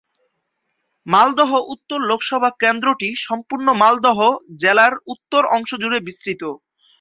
মালদহ উত্তর লোকসভা কেন্দ্রটি সম্পূর্ণ মালদহ জেলার উত্তর অংশ জুড়ে বিস্তৃত।